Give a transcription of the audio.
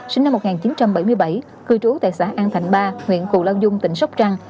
sinh năm một nghìn chín trăm bảy mươi bảy cư trú tại xã an thạnh ba huyện cù lao dung tỉnh sóc trăng